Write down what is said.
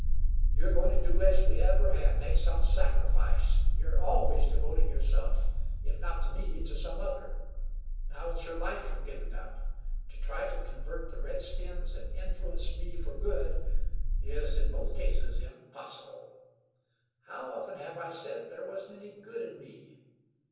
"You're going to do as you ever have make some sacrifice. You are always devoting yourself; if not to me, to some other. Now it's your life you're giving up. To try to convert the redskins and influence me for good is in both cases impossible. How often have I said there wasn't any good in me!